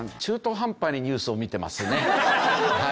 中途半端にニュースを見てますね。